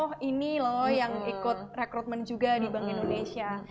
oh ini loh yang ikut rekrutmen juga di bank indonesia